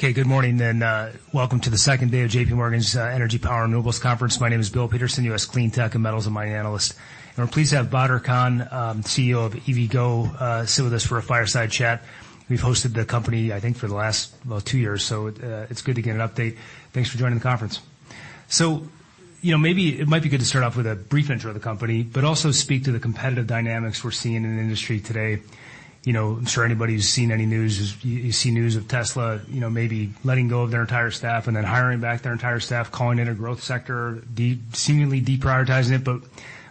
Okay, good morning, and welcome to the second day of JPMorgan's Energy, Power, and Renewables Conference. My name is Bill Peterson, US Clean Tech and Metals and Mining Analyst. And we're pleased to have Badar Khan, CEO of EVgo, sit with us for a fireside chat. We've hosted the company, I think, for the last, well, two years, so it's good to get an update. Thanks for joining the conference. So, you know, maybe it might be good to start off with a brief intro of the company, but also speak to the competitive dynamics we're seeing in the industry today. You know, I'm sure anybody who's seen any news, you see news of Tesla, you know, maybe letting go of their entire staff and then hiring back their entire staff, calling it a growth sector, seemingly deprioritizing it, but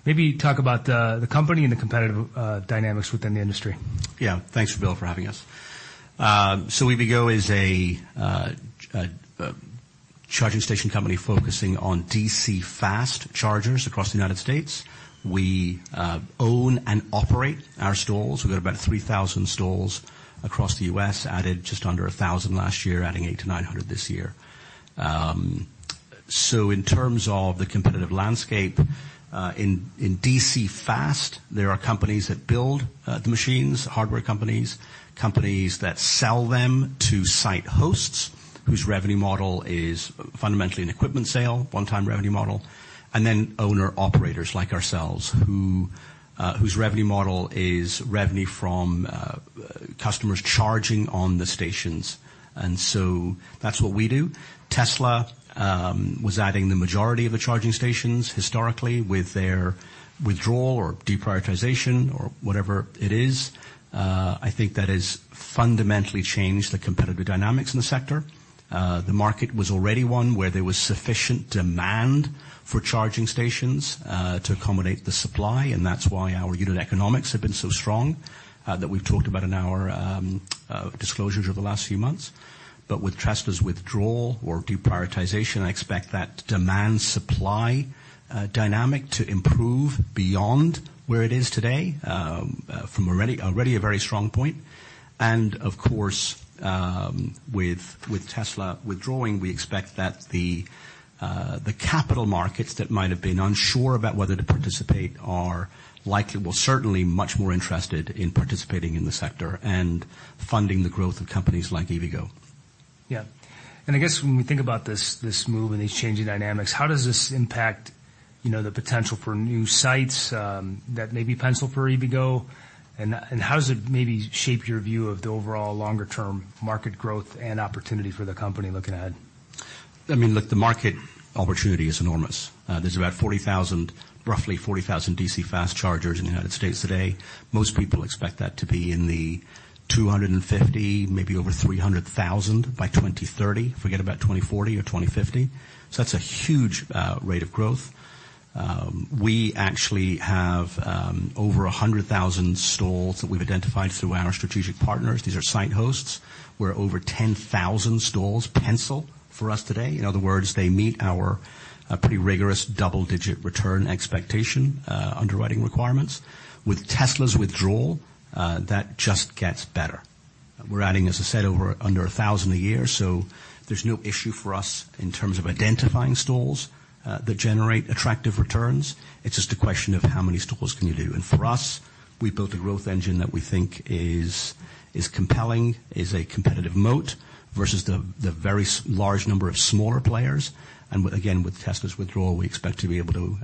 maybe talk about the company and the competitive dynamics within the industry. Yeah. Thanks, Bill, for having us. So EVgo is a charging station company focusing on DC fast chargers across the United States. We own and operate our stalls. We've got about 3,000 stalls across the U.S., added just under 1,000 last year, adding 800-900 this year. So in terms of the competitive landscape, in DC fast, there are companies that build the machines, hardware companies, companies that sell them to site hosts, whose revenue model is fundamentally an equipment sale, one-time revenue model, and then owner-operators like ourselves, who whose revenue model is revenue from customers charging on the stations. And so that's what we do. Tesla was adding the majority of the charging stations historically with their withdrawal or deprioritization or whatever it is. I think that has fundamentally changed the competitive dynamics in the sector. The market was already one where there was sufficient demand for charging stations to accommodate the supply, and that's why our unit economics have been so strong that we've talked about in our disclosures over the last few months. But with Tesla's withdrawal or deprioritization, I expect that demand-supply dynamic to improve beyond where it is today, from already a very strong point. And of course, with Tesla withdrawing, we expect that the capital markets that might have been unsure about whether to participate are likely well, certainly much more interested in participating in the sector and funding the growth of companies like EVgo. Yeah. I guess when we think about this, this move and these changing dynamics, how does this impact, you know, the potential for new sites that may be penciled for EVgo? And how does it maybe shape your view of the overall longer-term market growth and opportunity for the company looking ahead? I mean, look, the market opportunity is enormous. There's about 40,000, roughly 40,000 DC fast chargers in the United States today. Most people expect that to be in the 250, maybe over 300,000 by 2030. Forget about 2040 or 2050. So that's a huge, rate of growth. We actually have, over 100,000 stalls that we've identified through our strategic partners. These are site hosts, where over 10,000 stalls pencil for us today. In other words, they meet our, pretty rigorous double-digit return expectation, underwriting requirements. With Tesla's withdrawal, that just gets better. We're adding, as I said, over under 1,000 a year, so there's no issue for us in terms of identifying stalls, that generate attractive returns. It's just a question of how many stalls can you do? For us, we built a growth engine that we think is compelling, is a competitive moat versus the very large number of smaller players. And with, again, with Tesla's withdrawal, we expect to be able to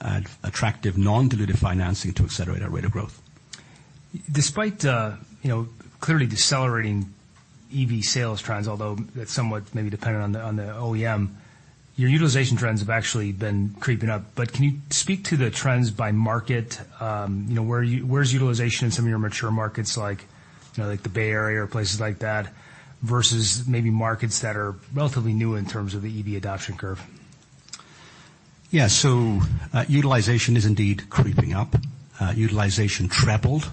add attractive, non-dilutive financing to accelerate our rate of growth. Despite you know, clearly decelerating EV sales trends, although that's somewhat maybe dependent on the OEM, your utilization trends have actually been creeping up. But can you speak to the trends by market? You know, where's utilization in some of your mature markets, like you know, like the Bay Area or places like that, versus maybe markets that are relatively new in terms of the EV adoption curve? Yeah. So, utilization is indeed creeping up. Utilization tripled,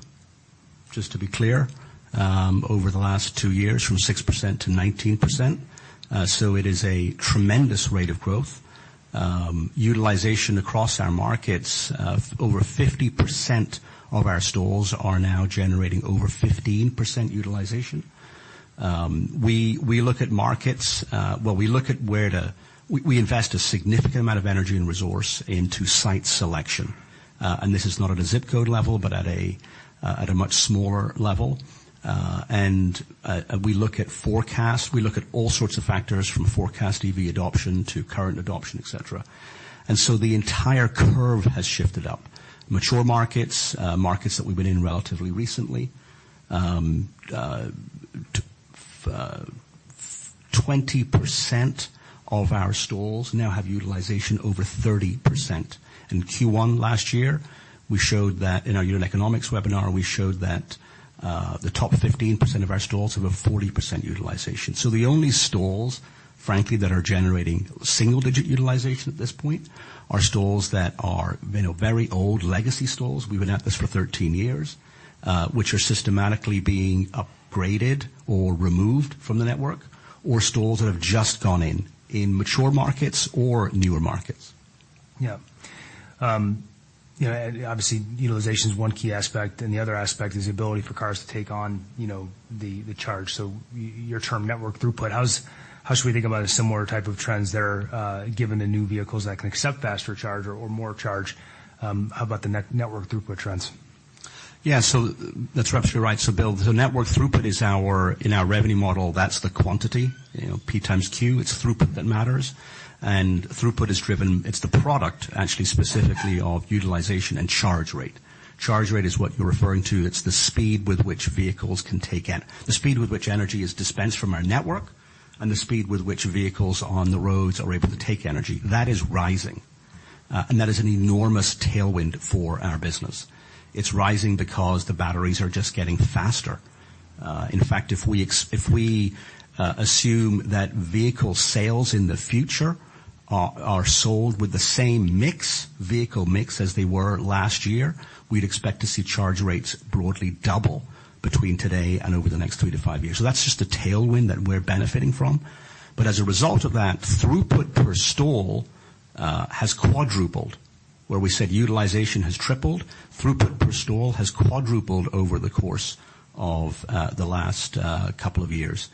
just to be clear, over the last 2 years, from 6% to 19%. So it is a tremendous rate of growth. Utilization across our markets, over 50% of our stalls are now generating over 15% utilization. Well, we invest a significant amount of energy and resource into site selection. And this is not at a zip code level, but at a much smaller level. We look at forecasts. We look at all sorts of factors, from forecast EV adoption to current adoption, et cetera. And so the entire curve has shifted up. Mature markets, markets that we've been in relatively recently, 20% of our stalls now have utilization over 30%. In Q1 last year, we showed that, in our unit economics webinar, we showed that, the top 15% of our stalls have a 40% utilization. So the only stalls, frankly, that are generating single-digit utilization at this point are stalls that are, you know, very old legacy stalls, we've been at this for 13 years, which are systematically being upgraded or removed from the network, or stalls that have just gone in, in mature markets or newer markets. Yeah. You know, and obviously, utilization is one key aspect, and the other aspect is the ability for cars to take on, you know, the charge. So your term network throughput, how should we think about a similar type of trends that are given the new vehicles that can accept faster charge or more charge? How about the network throughput trends? Yeah, so that's roughly right. So Bill, the network throughput is our, in our revenue model, that's the quantity. You know, P times Q, it's throughput that matters, and throughput is driven. It's the product, actually, specifically of utilization and charge rate. Charge rate is what you're referring to. It's the speed with which vehicles can take in. The speed with which energy is dispensed from our network, and the speed with which vehicles on the roads are able to take energy. That is rising, and that is an enormous tailwind for our business. It's rising because the batteries are just getting faster. In fact, if we assume that vehicle sales in the future are sold with the same mix, vehicle mix, as they were last year, we'd expect to see charge rates broadly double between today and over the next 3-5 years. So that's just a tailwind that we're benefiting from. But as a result of that, throughput per stall has quadrupled. Where we said utilization has tripled, throughput per stall has quadrupled over the course of the last couple of years.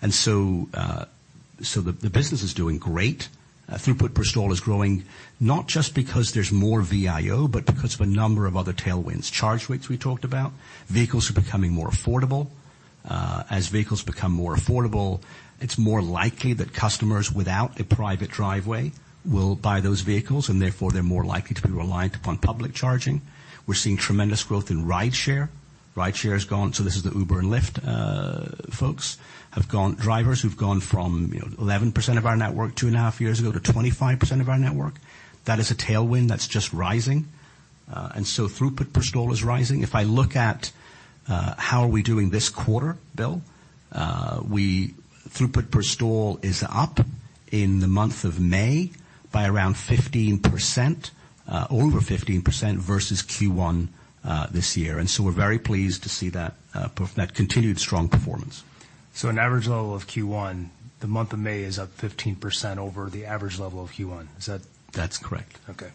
And so, the business is doing great. Throughput per stall is growing, not just because there's more VIO, but because of a number of other tailwinds. Charge rates, we talked about. Vehicles are becoming more affordable. As vehicles become more affordable, it's more likely that customers without a private driveway will buy those vehicles, and therefore, they're more likely to be reliant upon public charging. We're seeing tremendous growth in rideshare. So this is the Uber and Lyft folks, drivers who've gone from, you know, 11% of our network two and a half years ago, to 25% of our network. That is a tailwind that's just rising, and so throughput per stall is rising. If I look at how are we doing this quarter, Bill, throughput per stall is up in the month of May by around 15%, over 15% versus Q1 this year. And so we're very pleased to see that, that continued strong performance. So, an average level of Q1, the month of May, is up 15% over the average level of Q1. Is that- That's correct. Okay.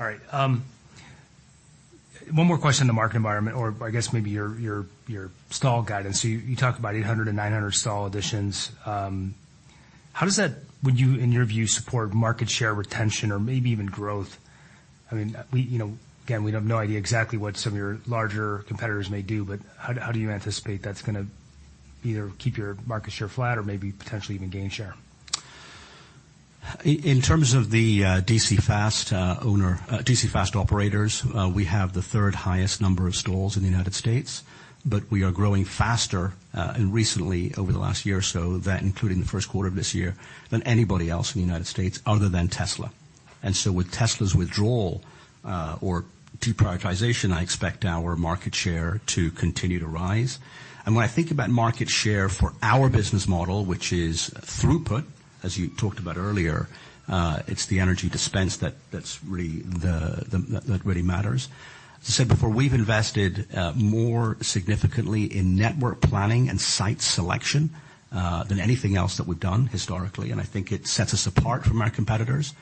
All right, one more question on the market environment, or I guess maybe your stall guidance. So you talked about 800-900 stall additions. How does that, in your view, support market share retention or maybe even growth? I mean, we, you know, again, we have no idea exactly what some of your larger competitors may do, but how do you anticipate that's gonna either keep your market share flat or maybe potentially even gain share? In terms of the DC fast owner-operated DC fast operators, we have the third highest number of stalls in the United States, but we are growing faster and recently, over the last year or so, that including the first quarter of this year, than anybody else in the United States other than Tesla. And so with Tesla's withdrawal or deprioritization, I expect our market share to continue to rise. And when I think about market share for our business model, which is throughput, as you talked about earlier, it's the energy dispensed that's really the, the... That really matters. As I said before, we've invested more significantly in network planning and site selection than anything else that we've done historically, and I think it sets us apart from our competitors,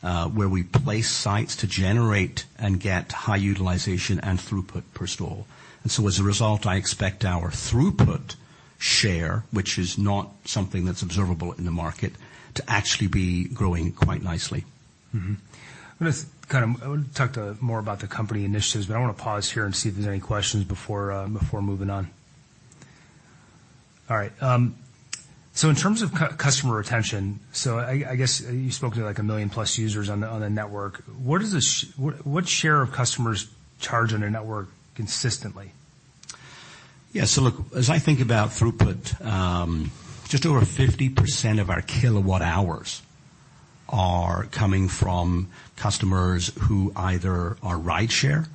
where we place sites to generate and get high utilization and throughput per stall. And so as a result, I expect our throughput share, which is not something that's observable in the market, to actually be growing quite nicely. Mm-hmm. I'm gonna kind of, I want to talk more about the company initiatives, but I want to pause here and see if there's any questions before moving on. All right, so in terms of customer retention, I guess you spoke to, like, a million-plus users on the network. What is the – what share of customers charge on your network consistently? Yeah. So look, as I think about throughput, just over 50% of our kilowatt hours are coming from customers who either are rideshare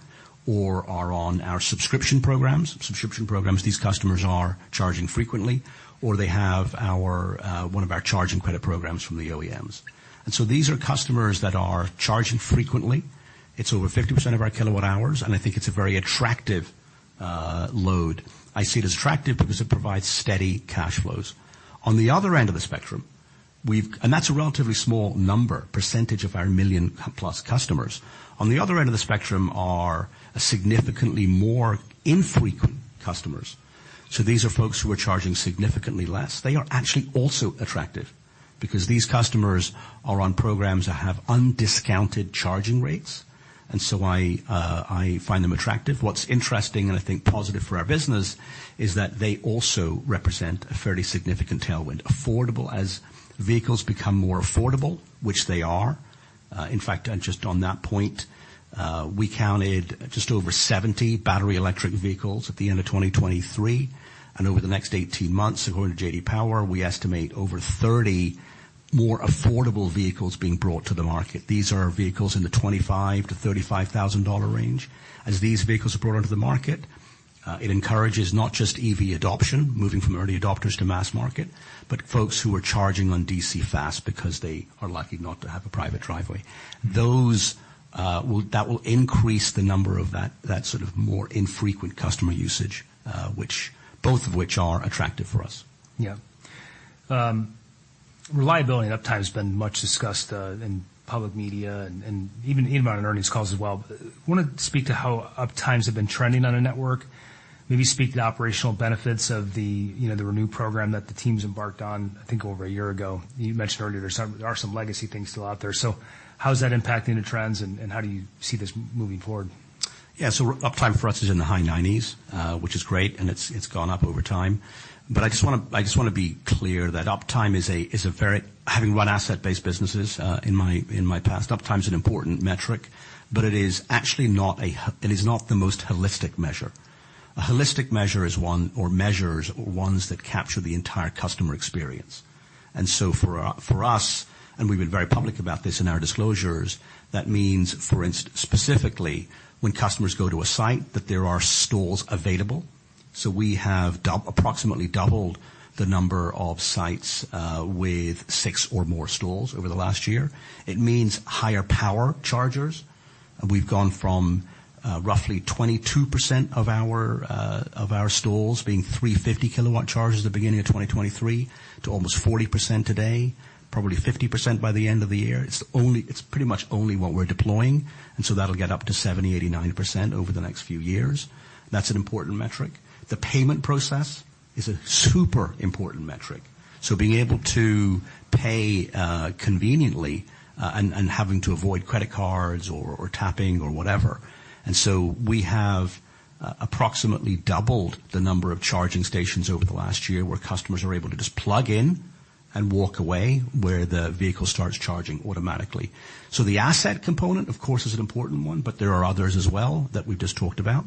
or are on our subscription programs. Subscription programs, these customers are charging frequently, or they have our one of our charging credit programs from the OEMs. And so these are customers that are charging frequently. It's over 50% of our kilowatt hours, and I think it's a very attractive load. I see it as attractive because it provides steady cash flows. On the other end of the spectrum, and that's a relatively small number, percentage of our million-plus customers. On the other end of the spectrum are significantly more infrequent customers. So these are folks who are charging significantly less. They are actually also attractive because these customers are on programs that have undiscounted charging rates, and so I find them attractive. What's interesting, and I think positive for our business, is that they also represent a fairly significant tailwind. Affordable, as vehicles become more affordable, which they are. In fact, just on that point, we counted just over 70 battery electric vehicles at the end of 2023, and over the next 18 months, according to J.D. Power, we estimate over 30 more affordable vehicles being brought to the market. These are vehicles in the $25,000-$35,000 range. As these vehicles are brought onto the market, it encourages not just EV adoption, moving from early adopters to mass market, but folks who are charging on DC fast because they are lucky not to have a private driveway. Those that will increase the number of that, that sort of more infrequent customer usage, both of which are attractive for us. Yeah. Reliability and uptime has been much discussed in public media and, and even in our earnings calls as well. Want to speak to how uptimes have been trending on a network? Maybe speak to the operational benefits of the, you know, the ReNew program that the teams embarked on, I think, over a year ago. You mentioned earlier, there are some, there are some legacy things still out there. So how is that impacting the trends, and, and how do you see this moving forward? Yeah. So uptime for us is in the high 90s%, which is great, and it's gone up over time. But I just wanna, I just wanna be clear that uptime is a, is a very—having run asset-based businesses, in my past, uptime is an important metric, but it is actually not a—it is not the most holistic measure. A holistic measure is one or measures or ones that capture the entire customer experience. And so for our—for us, and we've been very public about this in our disclosures, that means, for instance, specifically, when customers go to a site, that there are stalls available. So we have approximately doubled the number of sites with six or more stalls over the last year. It means higher power chargers. We've gone from roughly 22% of our stalls being 350 kilowatt chargers at the beginning of 2023, to almost 40% today, probably 50% by the end of the year. It's pretty much only what we're deploying, and so that'll get up to 70%-89% over the next few years. That's an important metric. The payment process is a super important metric. So being able to pay conveniently, and having to avoid credit cards or tapping or whatever. And so we have approximately doubled the number of charging stations over the last year, where customers are able to just plug in and walk away, where the vehicle starts charging automatically. So the asset component, of course, is an important one, but there are others as well that we've just talked about.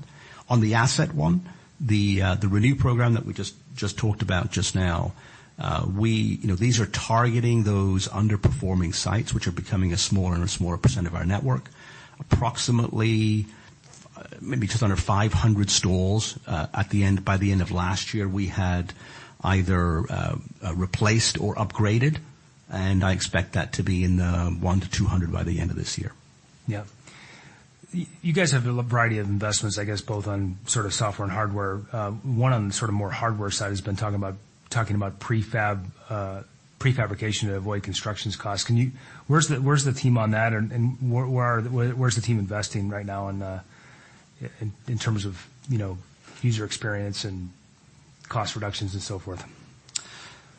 On the asset one, the ReNew program that we just talked about just now, you know, these are targeting those underperforming sites, which are becoming a smaller and smaller percent of our network. Approximately, maybe just under 500 stalls, at the end, by the end of last year, we had either replaced or upgraded, and I expect that to be in the 100-200 by the end of this year. Yeah. You guys have a variety of investments, I guess, both on sort of software and hardware. One on the sort of more hardware side has been talking about prefab, prefabrication to avoid construction costs. Can you- where's the team on that, and where... Where's the team investing right now in terms of, you know, user experience and cost reductions and so forth?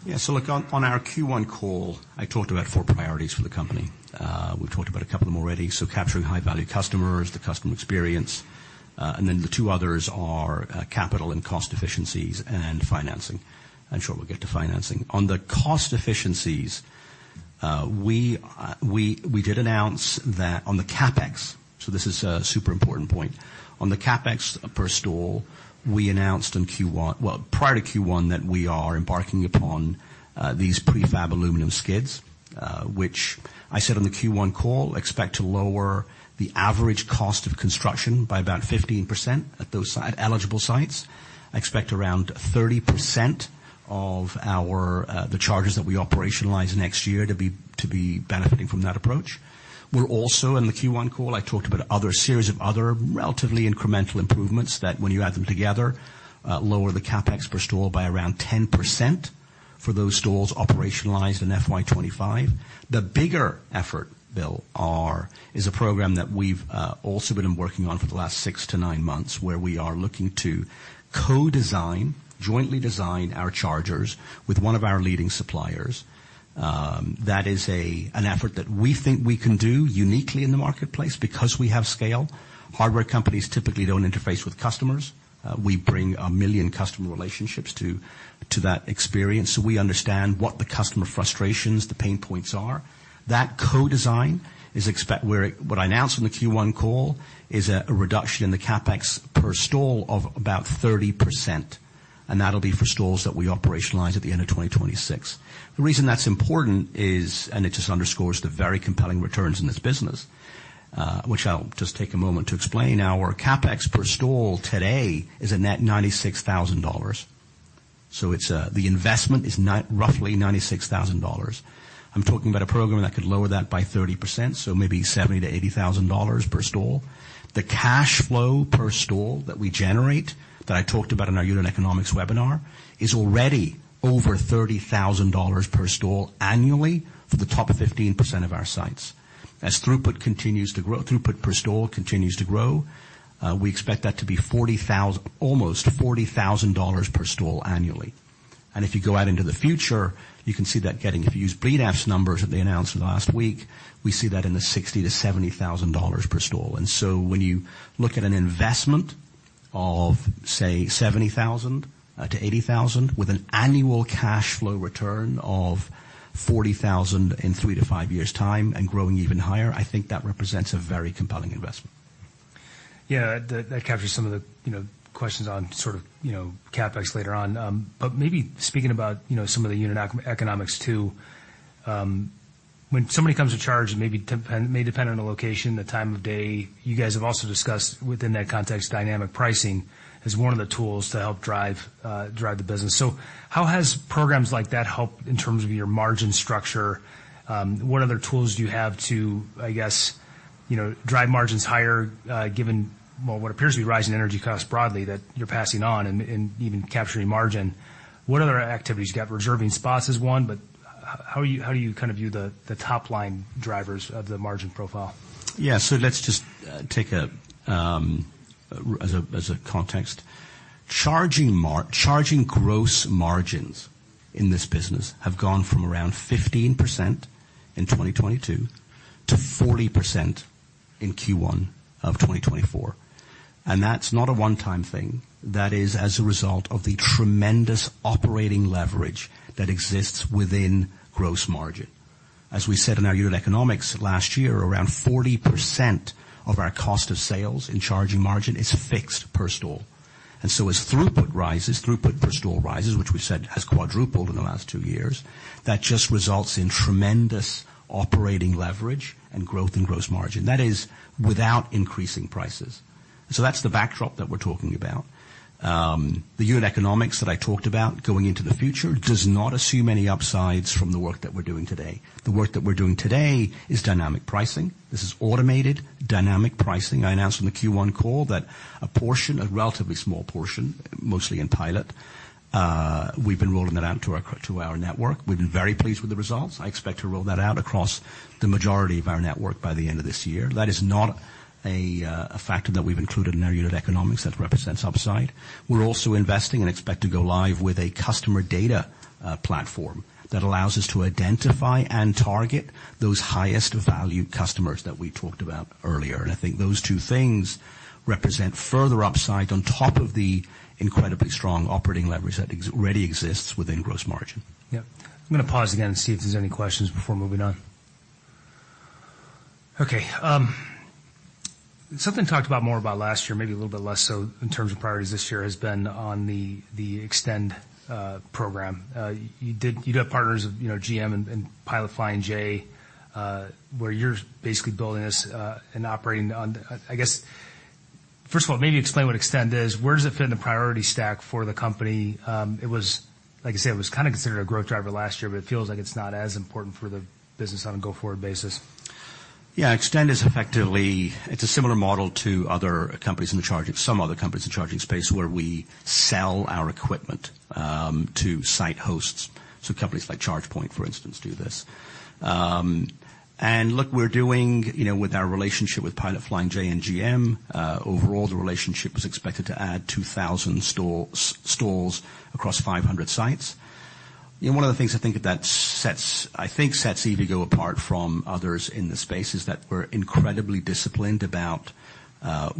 Yeah. So look, on our Q1 call, I talked about four priorities for the company. We've talked about a couple of them already. So capturing high-value customers, the customer experience, and then the two others are capital and cost efficiencies and financing. I'm sure we'll get to financing. On the cost efficiencies, we did announce that on the CapEx, so this is a super important point. On the CapEx per stall, we announced in Q1. Well, prior to Q1, that we are embarking upon these prefab aluminum skids, which I said on the Q1 call, expect to lower the average cost of construction by about 15% at those eligible sites. Expect around 30% of our the charges that we operationalize next year to be benefiting from that approach. We're also, in the Q1 call, I talked about other series of other relatively incremental improvements, that when you add them together, lower the CapEx per stall by around 10% for those stalls operationalized in FY 2025. The bigger effort, Bill, is a program that we've also been working on for the last 6-9 months, where we are looking to co-design, jointly design our chargers with one of our leading suppliers. That is an effort that we think we can do uniquely in the marketplace because we have scale. Hardware companies typically don't interface with customers. We bring 1 million customer relationships to that experience, so we understand what the customer frustrations, the pain points are. That co-design is what I announced on the Q1 call is a reduction in the CapEx per stall of about 30%, and that'll be for stalls that we operationalize at the end of 2026. The reason that's important is, and it just underscores the very compelling returns in this business, which I'll just take a moment to explain. Our CapEx per stall today is a net $96,000. So it's, the investment is roughly $96,000. I'm talking about a program that could lower that by 30%, so maybe $70,000-$80,000 per stall. The cash flow per stall that we generate, that I talked about in our unit economics webinar, is already over $30,000 per stall annually for the top 15% of our sites. As throughput continues to grow, throughput per stall continues to grow, we expect that to be almost $40,000 per stall annually. If you go out into the future, you can see that getting, if you use Brean's numbers that they announced last week, we see that in the $60,000-$70,000 per stall. So when you look at an investment of, say, $70,000-$80,000, with an annual cash flow return of $40,000 in 3-5 years' time and growing even higher, I think that represents a very compelling investment. Yeah, that, that captures some of the, you know, questions on sort of, you know, CapEx later on. But maybe speaking about, you know, some of the unit economics too. When somebody comes to charge, and maybe may depend on the location, the time of day, you guys have also discussed within that context, dynamic pricing as one of the tools to help drive, drive the business. So how has programs like that helped in terms of your margin structure? What other tools do you have to, I guess, you know, drive margins higher, given, well, what appears to be rising energy costs broadly, that you're passing on and, and even capturing margin? What other activities you got? Reserving spots is one. How do you kind of view the, the top line drivers of the margin profile? Yeah. So let's just take as a context. Charging gross margins in this business have gone from around 15% in 2022 to 40% in Q1 of 2024, and that's not a one-time thing. That is as a result of the tremendous operating leverage that exists within gross margin. As we said in our unit economics last year, around 40% of our cost of sales in charging margin is fixed per stall. And so as throughput rises, throughput per stall rises, which we said has quadrupled in the last two years, that just results in tremendous operating leverage and growth in gross margin. That is without increasing prices. So that's the backdrop that we're talking about. The unit economics that I talked about going into the future does not assume any upsides from the work that we're doing today. The work that we're doing today is dynamic pricing. This is automated, dynamic pricing. I announced on the Q1 call that a portion, a relatively small portion, mostly in pilot, we've been rolling that out to our, to our network. We've been very pleased with the results. I expect to roll that out across the majority of our network by the end of this year. That is not a factor that we've included in our unit economics that represents upside. We're also investing and expect to go live with a customer data platform that allows us to identify and target those highest value customers that we talked about earlier. And I think those two things represent further upside on top of the incredibly strong operating leverage that already exists within gross margin. Yeah. I'm going to pause again and see if there's any questions before moving on. Okay, something talked about more about last year, maybe a little bit less so in terms of priorities this year, has been on the eXtend program. You do have partners, you know, GM and Pilot Flying J, where you're basically building this and operating on... I guess, first of all, maybe explain what eXtend is. Where does it fit in the priority stack for the company? Like I said, it was kind of considered a growth driver last year, but it feels like it's not as important for the business on a go-forward basis. Yeah, eXtend is effectively, it's a similar model to other companies in the charging, some other companies in the charging space, where we sell our equipment, to site hosts. So companies like ChargePoint, for instance, do this. And look, we're doing, you know, with our relationship with Pilot Flying J and GM, overall, the relationship is expected to add 2,000 stores, stalls across 500 sites. You know, one of the things I think that sets, I think sets EVgo apart from others in the space, is that we're incredibly disciplined about,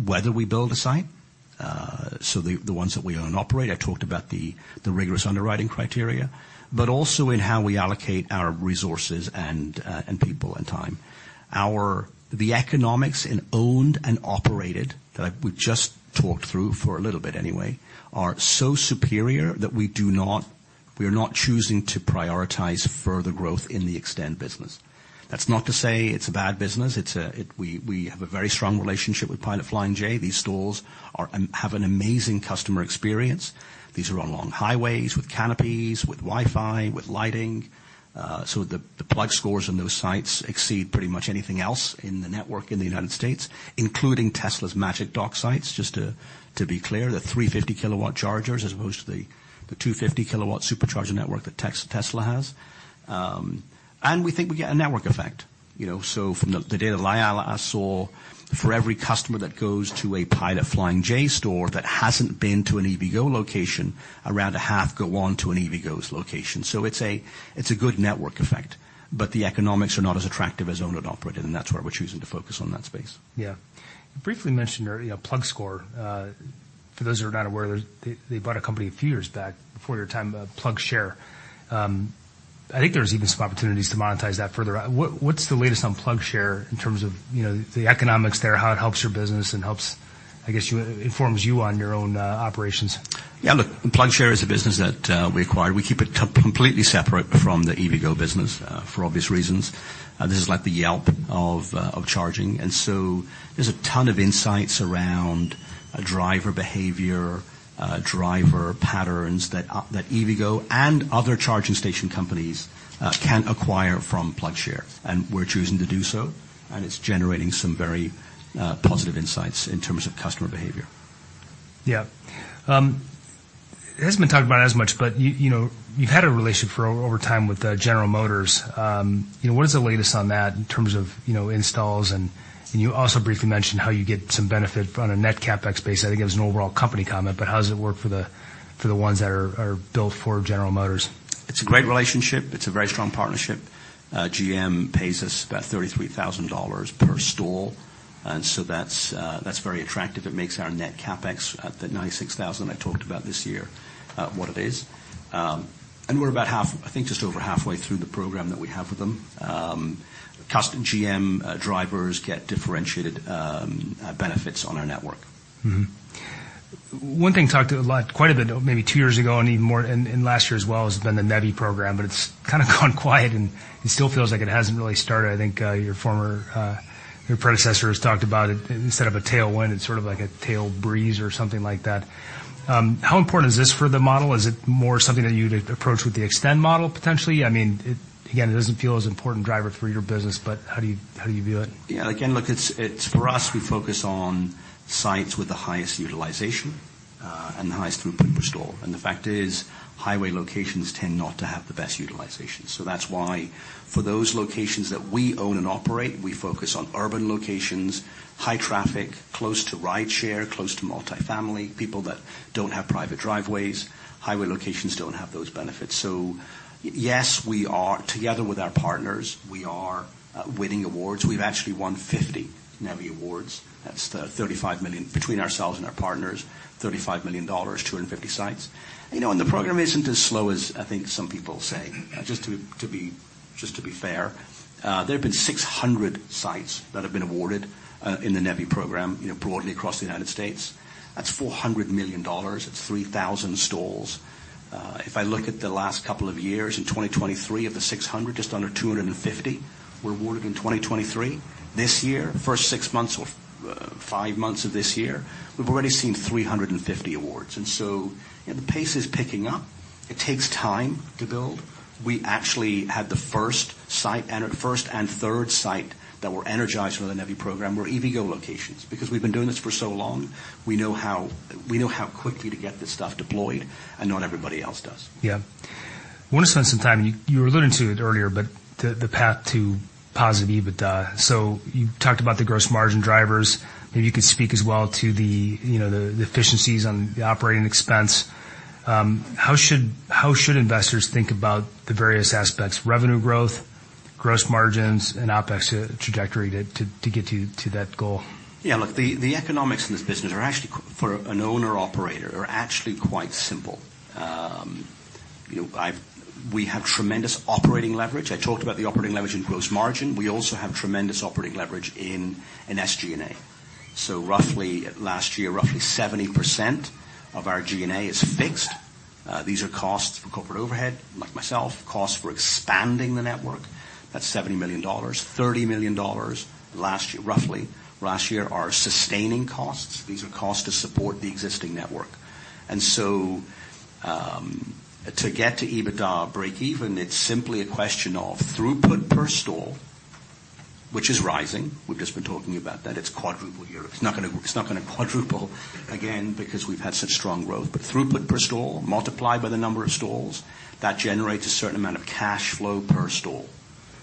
whether we build a site. So the, the ones that we own and operate, I talked about the, the rigorous underwriting criteria, but also in how we allocate our resources and, and people and time. The economics in owned and operated that we just talked through for a little bit anyway are so superior that we are not choosing to prioritize further growth in the eXtend business. That's not to say it's a bad business. It's a. We have a very strong relationship with Pilot Flying J. These stalls have an amazing customer experience. These are on long highways with canopies, with Wi-Fi, with lighting. So the PlugScores on those sites exceed pretty much anything else in the network in the United States, including Tesla's Magic Dock sites. Just to be clear, they're 350 kW chargers, as opposed to the 250 kW Supercharger network that Tesla has. And we think we get a network effect. You know, so from the data that I saw, for every customer that goes to a Pilot Flying J store that hasn't been to an EVgo location, around a half go on to an EVgo's location. So it's a good network effect, but the economics are not as attractive as owned and operated, and that's where we're choosing to focus on that space. Yeah. Briefly mentioned, you know, PlugScore. For those who are not aware, they bought a company a few years back, before your time, PlugShare. I think there's even some opportunities to monetize that further. What's the latest on PlugShare in terms of, you know, the economics there, how it helps your business and helps, I guess, informs you on your own operations? Yeah, look, PlugShare is a business that we acquired. We keep it completely separate from the EVgo business for obvious reasons. This is like the Yelp of charging, and so there's a ton of insights around driver behavior, driver patterns that EVgo and other charging station companies can acquire from PlugShare, and we're choosing to do so, and it's generating some very positive insights in terms of customer behavior. Yeah. It hasn't been talked about as much, but you, you know, you've had a relationship for over time with General Motors. You know, what is the latest on that in terms of, you know, installs? And you also briefly mentioned how you get some benefit on a net CapEx base. I think it was an overall company comment, but how does it work for the ones that are built for General Motors? It's a great relationship. It's a very strong partnership. GM pays us about $33,000 per stall, and so that's very attractive. It makes our net CapEx, that $96,000 I talked about this year, what it is. And we're about half, I think just over halfway through the program that we have with them. Custom GM drivers get differentiated benefits on our network. Mm-hmm. One thing talked about a lot, quite a bit, maybe two years ago, and even more in last year as well, has been the NEVI program, but it's kind of gone quiet, and it still feels like it hasn't really started. I think your former, your predecessors talked about it. Instead of a tailwind, it's sort of like a tail breeze or something like that. How important is this for the model? Is it more something that you'd approach with the eXtend model potentially? I mean, it, again, it doesn't feel as important driver for your business, but how do you, how do you view it? Yeah. Again, look, it's for us, we focus on sites with the highest utilization and the highest throughput per stall. And the fact is, highway locations tend not to have the best utilization. So that's why for those locations that we own and operate, we focus on urban locations, high traffic, close to rideshare, close to multifamily, people that don't have private driveways. Highway locations don't have those benefits. So yes, we are, together with our partners, winning awards. We've actually won 50 NEVI awards. That's the $35 million between ourselves and our partners, $35 million dollars, 250 sites. You know, and the program isn't as slow as I think some people say. Just to be fair, there have been 600 sites that have been awarded in the NEVI program, you know, broadly across the United States. That's $400 million. It's 3,000 stalls. If I look at the last couple of years, in 2023, of the 600, just under 250 were awarded in 2023. This year, first six months or five months of this year, we've already seen 350 awards, and so, you know, the pace is picking up. It takes time to build. We actually had the first site and the first and third site that were energized for the NEVI program, were EVgo locations. Because we've been doing this for so long, we know how quickly to get this stuff deployed, and not everybody else does. Yeah. I want to spend some time. You were alluding to it earlier, but the path to positive EBITDA. So you talked about the gross margin drivers. Maybe you could speak as well to the, you know, the efficiencies on the operating expense. How should investors think about the various aspects: revenue growth, gross margins, and OpEx trajectory to get you to that goal? Yeah, look, the, the economics in this business are actually, for an owner-operator, are actually quite simple. You know, I've-- we have tremendous operating leverage. I talked about the operating leverage in gross margin. We also have tremendous operating leverage in, in SG&A. So roughly, last year, roughly 70% of our G&A is fixed. These are costs for corporate overhead, like myself, costs for expanding the network, that's $70 million. $30 million last year, roughly last year, are sustaining costs. These are costs to support the existing network. And so, to get to EBITDA break even, it's simply a question of throughput per stall, which is rising. We've just been talking about that. It's quadrupled year over... It's not gonna, it's not gonna quadruple again because we've had such strong growth. But throughput per stall multiplied by the number of stalls, that generates a certain amount of cash flow per stall.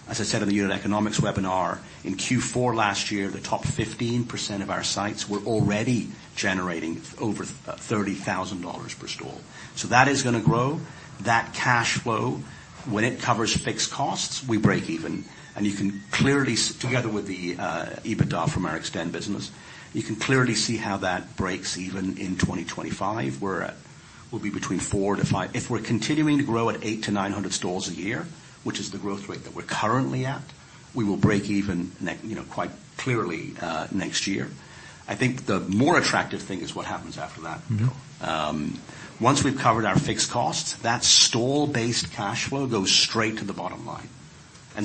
As I said in the unit economics webinar, in Q4 last year, the top 15% of our sites were already generating over $30,000 per stall. So that is gonna grow. That cash flow, when it covers fixed costs, we break even. And you can clearly, together with the EBITDA from our eXtend business, you can clearly see how that breaks even in 2025, where we'll be between 4-5. If we're continuing to grow at 800-900 stalls a year, which is the growth rate that we're currently at, we will break even you know, quite clearly, next year. I think the more attractive thing is what happens after that. Once we've covered our fixed costs, that stall-based cash flow goes straight to the bottom line.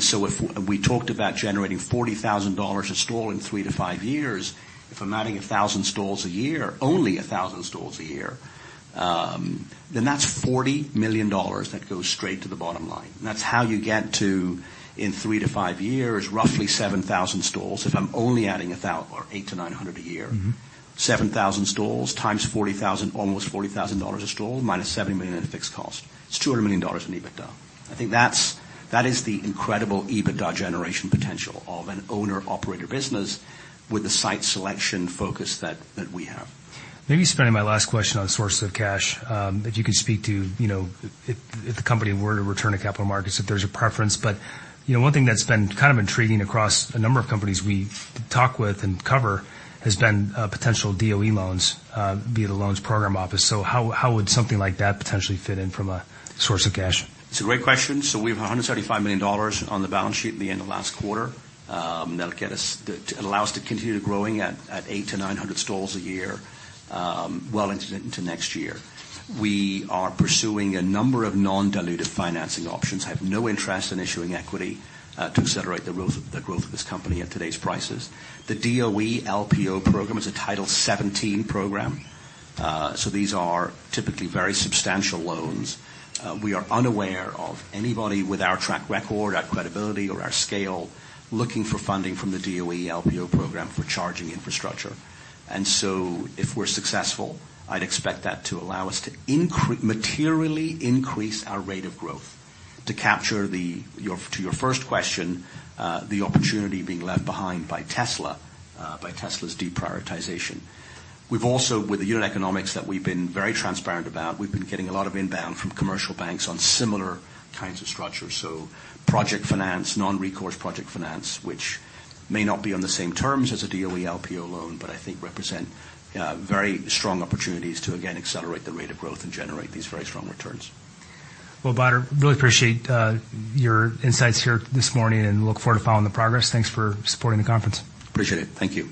So if we talked about generating $40,000 a stall in 3-5 years, if I'm adding 1,000 stalls a year, only 1,000 stalls a year, then that's $40 million that goes straight to the bottom line. That's how you get to, in 3-5 years, roughly 7,000 stalls, if I'm only adding or 800-900 a year. 7,000 stalls × 40,000, almost $40,000 a stall, minus $70 million in fixed cost, it's $200 million in EBITDA. I think that's, that is the incredible EBITDA generation potential of an owner-operator business with the site selection focus that, that we have. Maybe spending my last question on sources of cash, if you could speak to, you know, if the company were to return to capital markets, if there's a preference. But, you know, one thing that's been kind of intriguing across a number of companies we talk with and cover has been potential DOE loans via the Loan Programs Office. So how would something like that potentially fit in from a source of cash? It's a great question. So we have $175 million on the balance sheet at the end of last quarter. That allow us to continue growing at 800-900 stalls a year, well into next year. We are pursuing a number of non-dilutive financing options. I have no interest in issuing equity to accelerate the growth, the growth of this company at today's prices. The DOE LPO program is a Title 17 program. So these are typically very substantial loans. We are unaware of anybody with our track record, our credibility, or our scale, looking for funding from the DOE LPO program for charging infrastructure. And so, if we're successful, I'd expect that to allow us to materially increase our rate of growth to capture the... To your first question, the opportunity being left behind by Tesla, by Tesla's deprioritization. We've also, with the unit economics that we've been very transparent about, we've been getting a lot of inbound from commercial banks on similar kinds of structures. So project finance, non-recourse project finance, which may not be on the same terms as a DOE LPO loan, but I think represent very strong opportunities to, again, accelerate the rate of growth and generate these very strong returns. Well, Badar, really appreciate your insights here this morning and look forward to following the progress. Thanks for supporting the conference. Appreciate it. Thank you.